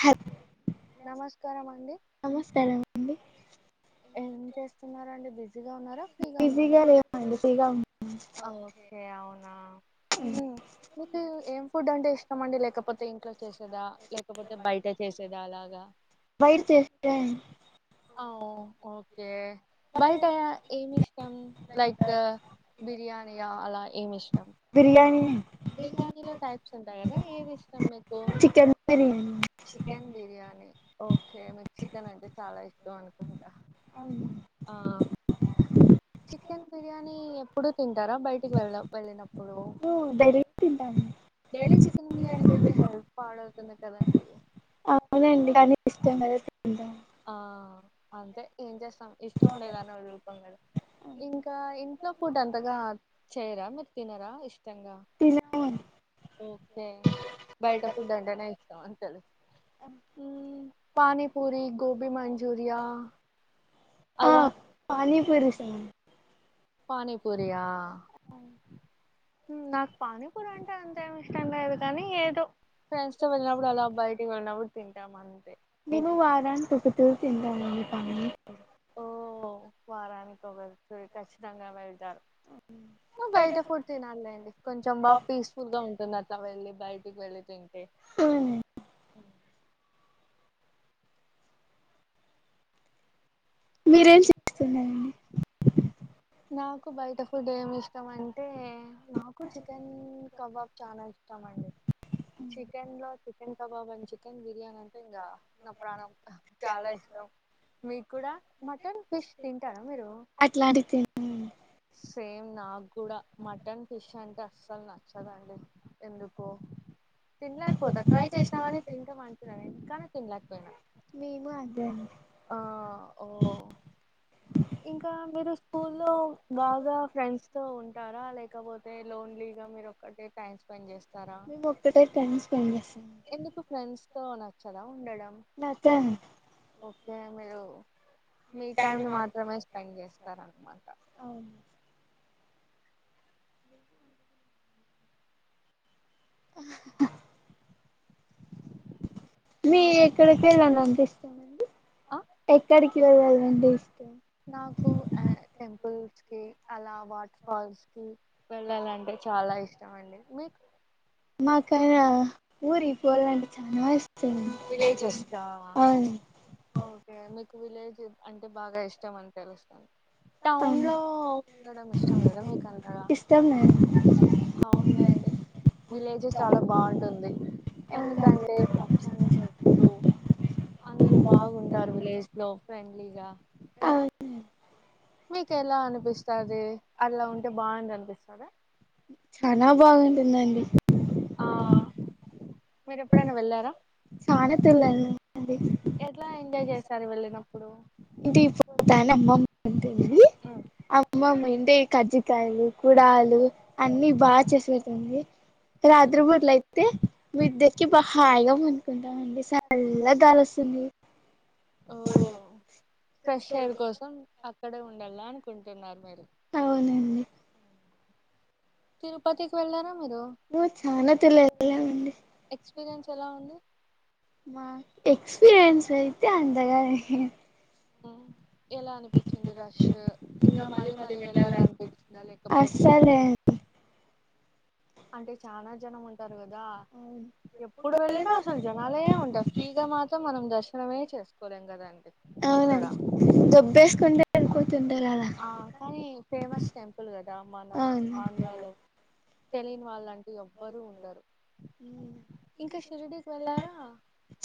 హా నమస్కారం అండి నమస్కారం అండి ఏం చేస్తున్నారండి అండి బిజీగా ఉన్నారా ఫ్రీగా ఉన్నారా బిజీగా లేమండి ఫ్రీగా ఓకే అవునా ఉన్నాం ఉం మీకు ఏం ఫుడ్ అంటే ఇష్టమండి లేకపోతే ఇంట్లో చేసేదా లేకపోతే బయట చేసే సేదే అలాగ బయట చేస్తే అ ఓకే బయట ఏమి ఇష్టం లైక్ బిర్యానియా అలా ఏమి ఇష్టం బిర్యానీ బిర్యానీలో టైప్స్ ఉంటాయి కదా ఏది ఇష్టం మీకు chicken biryani chicken biryani okay మీకు చికెన్ అంటే చాలా ఇష్టం అనుకుంట ఆ చికెన్ బిర్యాణి తింటారా బయటికి వెళ్ళ అవును వెళ్ళినప్పుడు డైలీ తింటాము డైలీ చికెన్ బిర్యానీ తింటే హెల్త్ పాడ్ తుంది కదండి అవునండి కానీ ఇష్టం కధ ఆ అంతే ఏం చేస్తాం ఇష్టం ఉండేదాని వా రూపం కద ఇంకా ఇంట్లో [unintelligible] ఫుడ్ అంతగా చేయరా మీరు తినరా ఇష్టంగా తినమండి ఓకే బయట ఫుడ్ అంటేనే ఇష్టం అని తెలుసు ఉం పానీపూరి గోభి మంచూరియా అలా పరు సను [unintelligible] పానీపూరియా అవు ఉం నాకు పానీపూరి అంటే అంతేమి ఇష్టం లేదు కానీ ఏదో ఫ్రెండ్స్ తో వెళ్ళినప్పుడు అలా బయటికి వెళ్ళినప్పుడు తింటాం అంతే ఇ తతి ఎంత ఉ ప [unintelligible] ఓ వారానికి వెళ్ ఖచ్చితంగా వెళ్తారు బయట ఫుడ్ తినాలేండి కొంచెం బాగా పీస్ఫుల్ గా ఉంటుంది అట్లా వెళ్ళి బయటికి వెళ్ళి తింటే అవును అ మీరేం చేస్తున్నారండి నాకు బయట ఫుడ్ ఏమి ఇష్టం అంటే నాకు చికెన్ కబాబ్ చాలా ఇష్టమండి చికెన్ లో చికెన్ కబాబ్ అం చికెన్ బిర్యానీ అంటే ఇంగ నా ప్రాణం చాలా ఇష్టం మీరు కూడా మటన్ ఫిష్ తింటారా మీరు సేమ్ నాకు కూడా మటన్ ఫిష్ అంటే అస్సలు నచ్చదండి ఎందుకో తినలేకపోతా తినకపోతే ట్రై చేసినా కాని గాని తింటా తింటే మనుకున్నాను కానీ తినలేకపోయినా అదేడి [unintelligible] ఆ ఓ ఇంకా మీరు స్కూల్ లో బాగా ఫ్రెండ్స్ తో ఉంటారా లేకపోతే లోన్లీగా మీరు ఒక్కటే టైం స్పెండ్ చేస్తారా మేము ఒక్కటే టైం స్పెండ్ చేస్తాండి. కో నచ్చదా ఉండడం నాతో ఓకే మీరు. మీ టైమ్ ని మాత్రమే స్పెండ్ చేస్తారన్నమాట. అవును మీ ఎక్కడికేళ్ళలనిపిస్తాదండి. ఆ ఎక్కడికి వెళ్ళాలండి పుల్స్ కి, అలా వాటర్ ఫాల్స్ కి వెళ్ళాలంటే చాలా ఇష్టం అండి. మీకు? నాకా ఊరికి పోలంటే చానా ఇస్ ష్టం విలేజెస్ కా అవును. ఓకే మీకు విలేజ్ అంటే బాగా ఇష్టం అని తెలుస్తాం. టౌన్ అవును లో ఉండడం ఇష్టం లేదా మీకు అంతగా? ఇష్టం నాకు హౌన్లేండి విలేజ్ చాలా బాగుంటుంది. ఎందుకంటే పచ్చని చెట్లు, అందరు బాగుంటారు విలేజ్ లో ఫ్రెండ్లీగా కదా? అవును మీకు ఎలా అనిపిస్తది? అలా ఉంటే బాగుంది అనిపిస్తద. చాన బాగుంటుందండి మీరేప్పుడైనా వెళ్ళారా? చాన తుర్లు వెళ్లి [unintelligible] డి ఎట్లా ఎంజాయ్ చేస్తరు వెళ్ళినప్ ఇంటికి పోతానే అమ్మమ్మ [unintelligible] ది. ఉమ్, అమ్మమ్మ ఏంటే కజ్జికాయలు, కుడాలు అన్ని బాగా చేసి పెడుతుంది. రాత్రిపూట్ల అయితే మిద్దెక్కి బా హాయిగా పనుకుంటామండి సల్లగ్గాలొస్తుంది. ఓ ఫ్రెష్ ఎయిర్ కోసం అక్కడే ఉండాల అనుకుంటున్నారు మీరు. అవునండి తిరుపతి తిరుపతికి [unintelligible] వెళ్ళారా మీరు పక్కన ఎక్స్పీరియన్స్ ఎలా ఉంది? మా ఎక్స్పీరియన్స్ అయితే అందగా. ఓ ఎలా అనిపించింది. రష్ ఇంగా మళ్ళీ, మళ్ళీ వెళ్ళాల అనిపించిందా లేకపోతే? అస్సలే అంటే చానా జనం ఉంటారు కదా? అవును ఎప్పుడు వెళ్లిన అసలు జనాలే ఉంటారు. ఫ్రీగా మాత్రం మనం దర్శనమే చేసుకోలేం కదాం. అవున [unintelligible] ద దొబ్బేసుకుంటా అ ఆ కానీ ఫేమస్ టెంపుల్ కదా! మన అవును ఆంధ్రాలో, తెలిని వాళ్ళంటూ ఎవ్వరు ఉండరు. ఇంకా షిరిడికి వెళ్లారా?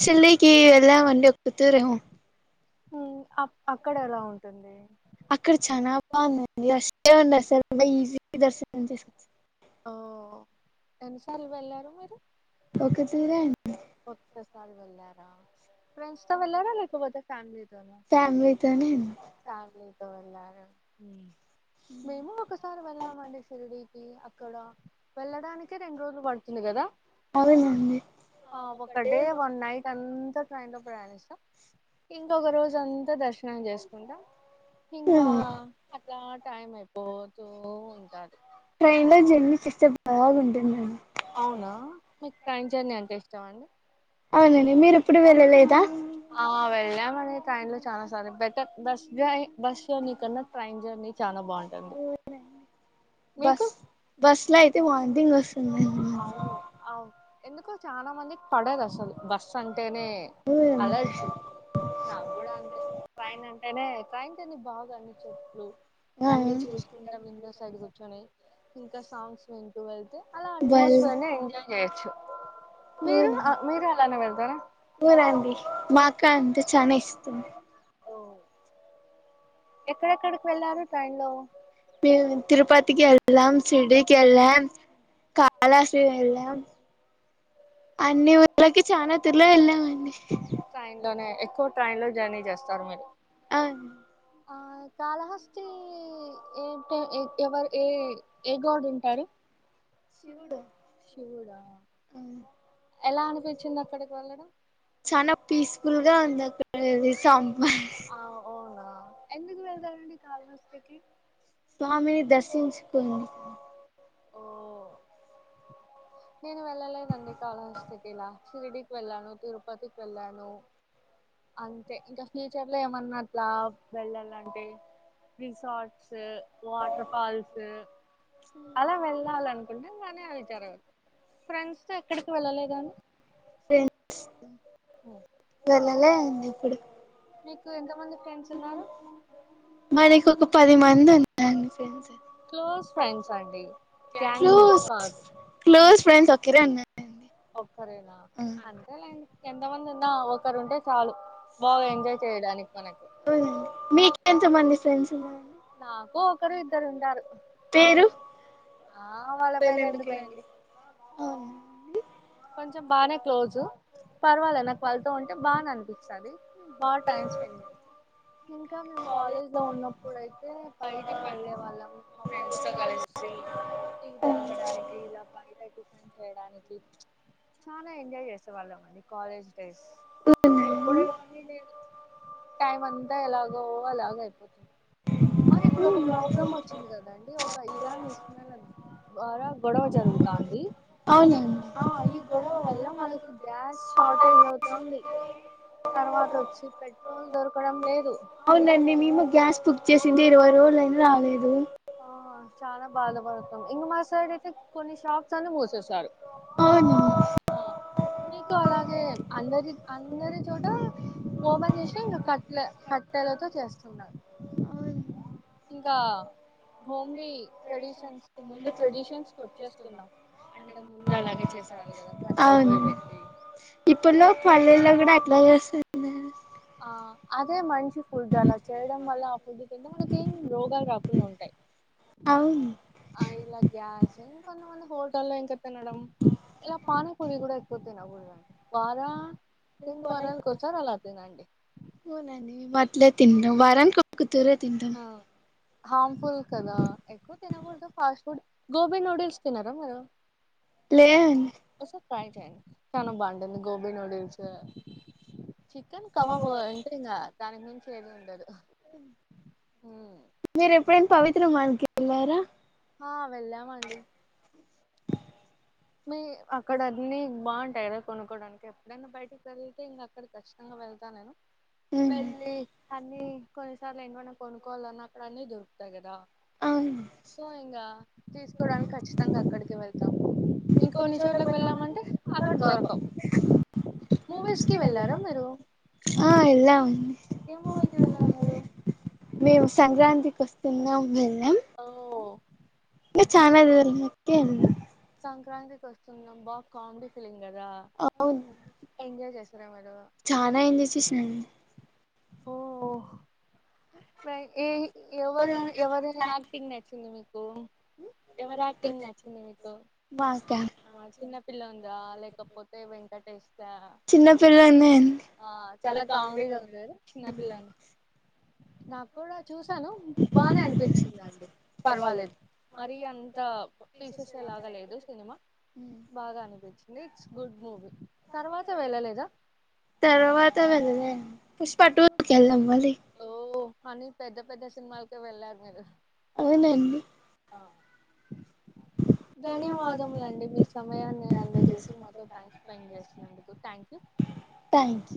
షిరిడికి వెళ్దామండి ఒక్క కుతురేమో ఉ అ అక్కడ ఎలా ఉంటుంది? అక్కడ చనా బాగుందండి, [unintelligible] ఈజీ దర్శనం చేసు. [unintelligible] ఓ ఎన్నీసార్లు వెళ్ళారు మీరు? ఒకతూరే అండి ఒక్కసారి వెళ్ళారా ఫ్రెండ్స్తో వెళ్ళారా, లేకపోతే ఫ్యామిలీ. [unintelligible] ఫ్యామిలీతోనే అండి ఫ్యామిలీతో వెళ్లాను. మేము ఒకసారి వెళ్ళమండి షిరిడికి. ఇక్కడ వెళ్ళడానికే రెండు రోజులు పడుతుంది కదా? అవునండి ఆ ఒక డే వన్ నైట్ అంతా ట్రైన్ లో ప్రయాణిస్తం. ఇంకొక రోజంతా దర్శనం చేసుకుంటాం ఇంకా, కా టైం అయిపోతు ఉంటాది. ట్రైన్ లో జర్నీ చేస్తే బాగుంటుంది. [unintelligible] అవునా? మీకు ట్రైన్ జర్నీ అంటే ఇష్టమండి. అవునండి మీరు ఎప్పుడు వెళ్ళలేదా ఆ వెళ్ళామండి ట్రైన్ లో చనా సార్లు better bus journey bus journey కన్నా ట్రైన్ జర్నీ చానా బె బాగుంటుంది మీకు బస్ బస్ లో అయితే వాంటింగ్ వస్తుంది అవును అవ్ ఎందుకో చాలా మందికి పడదు అసలు బస్ అన్ టేనే అలర్జీ నాకు కూడా అంటే ట్రైన్ అన్ టేనే ట్రైన్ జర్నీ బాగా అన్ని చెట్లు అన్ని చూసుకుంటా విండో సైడ్ కూర్చొని ఇంకా సాంగ్స్ వింటూ వెళ్తే కుస్కొని ఎంజాయ్ చేయొచ్చు మీరు వును ఆ, మీరు అలానే వెళ్తారా ఉనండి మాకు అంతే చనా ఇష్టం ఓ ఎక్కడెక్కడికి వెళ్ళారు ట్రైన్ లో తిరుపతికి ఎళ్లం షిరిడికి ఎళ్ళం కాలాశ్రీ ఎల్లం అన్ని ఊళ్ళకి చానాతూర్లే వెళ్ళామండి ట్రైన్ లోనే ఎక్కువ ట్రైన్ లో జర్నీ చేస్తారు మీరు అవును ఆ కాళహస్తి ఏ టెమ్ ఎవరు ఏ ఏ గోడ్ ఉంటారు శివుడు శివడా ఎలా అనిపించింది అక్కడికి వెళ్ళడం చానా పీస్ఫుల్ గా ఉంది అక్కడకి వెళ్లి సామ్ ఆ ఓనా ఎందుకు వెళ్తారండి కాళహస్తి కి స్వామిని దర్శించుకునేకి ఓ నేను వెళ్ళలేదండి కళహస్తి ఇలా షిరిడికి వెళ్ళాను తిరుపతికి వెళ్ళాను. అంతే ఇంకా ఫ్యూచర్ లో ఏమన్నా అట్లా వెళ్ళాలంటే రిసార్స్టు వాటర్ ఫల్సు అలా వెళ్ళాలనుకుంటమ్ కాాని అవి జరగదు ఫ్రెండ్స్ తో ఎక్కడికి వెళ్ళలేదనండి ఫ్రెండ్స్ తో వెళ్ళాలే అండి ఎప్పుడు మీకు ఎంతమంది ఫ్రెండ్స్ ఉన్నారు మనకు ఒక పది మంది ఉన్నారండి ఫ్రెండ్సు క్లోజ్ ఫ్రెండ్స్ అండి గ్యాంగ్ క్లోజ్ కాదు క్లోజ్ ఫ్రెండ్స్ ఒకరే ఉన్నారండి ఒకరేనా ఆ అంతే లేండి ఎంతమంది ఉన్నా ఒకరు ఉంటే చాలు. సో బాగా ఎంజాయ్ చేయడానికి మనకు చేయాలండి వునండి మీకేంతమంది ఫ్రెండ్సు. నాకు ఒకరు ఇద్దరు ఉంటారు అంతే. పేరు ఆ వాళ్ళ పేర్లు ఎందుకులేండి అవునా అండి కొంచెం బాగానే క్లోజు పర్వాలా నాకు వాళ్ళతో ఉంటే బాగానే అనిపిస్త్ తది బాగా టైమ్ స్పెండ్ చేస్తాం ఇంకా మేమ్ కాలేజ్ లో ఉన్నప్పుడైతే తే బైటకి వెళ్ళలే వాళ్ళం మా ఫ్రెండ్స్ తో కలిసి టీ తాగడానికి ఇలా బయట చేయడానికి చ్ చానా ఎంజాయ్ చేసే వాళ్ళం అండి కాలేజ్ డేస్ అవునా ఇప్పుడు ఇవన్నీ లేదు టైమ్ అంతా ఎలాగో అలాగ అయిపోతుంది మది ఇప్పుడు ఒక అండి ప్రాబ్లమ్ వచ్చింది కదాండి ఒక ఇదాని ఇసుమళ్ళ [unintelligible] బర గొడవ జరుగుతంది అవునండి ఈ గొడవ వల్ల మనకి గ్యాస్ షార్టేజ్ అవుతంది తర్వాత వచ్చి పెట్రోల్ దొరకడం లేదు అవునండి మేము గ్యాస్ బుక్ చేసింది ఇరవై రోజులైనా రాలేదు ఆ చాలా బాధపడుతాం ఇంగా మా సైడ్ అయితే కొన్ని షాప్స్ అన్ని మూసేసారు అవును ఆ నీకు అలాగే అందరి అందరి చోట ఓపన్ చేస్తే ఇంకా కట్లే క కట్టెలతో చేస్తున్నారు అవును ఇంకా హోమ్లీ ట్రెడిషన్స్ కి ముందు ట్రెడిషన్స్ కొచ్చేస్తున్నాం అంతకు ముందు అలాగే చేసేవాలు అవును ఇప్పులో పల్లెల్లో కూడా అట్లా చేస్తున్నారు ఆ అదే మంచి ఫుడ్ అలా చేయడం వల్ల ఆ ఫుడ్ తింటే మనకి ఏం రోగాలు రాకుండా ఉంటాయి. అవును ఆ ఇలా గ్యాస్ కొంతమంది హోటల్లో ఇంక తినడం ఇలా పానిపూరి కూడా ఎక్కువ తినకూడదండి వార రెండు వారాలకు ఓసారి అలా తినండి. అవునండి మేమట్లే తింటాం వారానికి ఒక్కతూరే తింటాం ఫుల్ కదా ఎక్కువ తినకూడదు ఫాస్ట్ ఫుడ్ గోబీ నూడిల్స్ తినారా మీరు లేదండి ఓసారి ట్రై చేయండి చాలా బాగుంటుంది గోబి నూడిల్స్ చికెన్ కబాబ్ అంటే ఇంగా దానికి మించి ఏది ఉండదు ఉమ్. మీరు ఎప్పుడైనా పవిత్ర మాల్కి ఎళ్ళారా ఆ వెళ్ళామండి మి అక్కడ అన్నీ బాగుంటాయి కదా కొనుక్కోడానికి ఎప్పుడైనా బయటికి వెళ్తే ఇంకా అక్కడ ఖచ్చితంగా వెళ్తా నేను వెళ్ళి అన్ని కొన్నిసార్లు ఏంటివన్నా కొనుక్కోవాలన్నా అక్కడ అన్ని దొరుకుతాయి కదా అవును సో ఇంగా తీసుకోడానికి ఖచ్చితంగా అక్కడికే వెళ్తాం ఇంక కొన్ని చోట్లకు వెళ్ళామంటే అక్కడ దొరకవు మూవీస్ కి వెళ్ళారా మీరు ఆ ఎల్లామ్ ఏ మూవీకి వెళ్ళారు మీరు మేమ్ సంక్రాంతికి ఉన్నాం వెళ్లాం ఓ ఇంకా చానా [unintelligible] కే వెళ్లాం సంక్రాంతికి వస్తున్నాం బా కామెడీ ఫిల్మ్ గదా అవును ఎంజాయ్ చేస్ చానా ఏంజాయ్ చేసేసినండి ఓ ఏ ఎవరు ఎవరు యాక్టింగ్ నచ్చింది మీకు ఎవరు యాక్టింగ్ నచ్చింది మీకు బాగ్య చిన్న పిల్ల ఉందా లేకపోతే వెంకటేష్ దా చిన్నపిల్లోందే అండి ఆ చాలా కామిడీగా ఉంది కదా చిన్న పిల్లలు నాకు కూడా చూసాను బానే అనిపించింది నాకు పర్వాలేదు మరీ అంత తీసేసేలాగ లేదు సినిమా ఉమ్ బాగా అనిపించింది ఇట్స్ గుడ్ మూవీ తర్వాత వెళ్ళాలేదా తర్వాత వెళ్ళలే పుష్ప టూ కి వెళ్ళా మళ్లి ఓ అని పెద్ద పెద్ద సినిమాలకే వెళ్ళారు మీరు అవునండి ఆ ధన్యవాదములండి మీ సమయాన్ని అందజేసి మాతో టైం స్పెండ్ చేసినందుకు థ్యాంక్ యూ థ్యాంక్స్